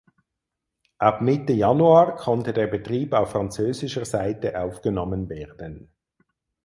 Ab Mitte Januar konnte der Betrieb auf französischer Seite aufgenommen werden.